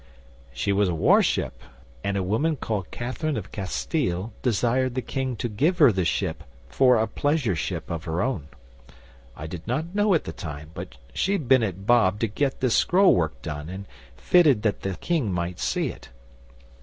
'She was a warship, and a woman called Catherine of Castile desired the King to give her the ship for a pleasure ship of her own. I did not know at the time, but she'd been at Bob to get this scroll work done and fitted that the King might see it.